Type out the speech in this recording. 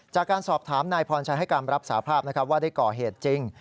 จากการสอบถามนายพรชัยให้การรับสาภาพนะครับว่าได้ก่อเหตุจริง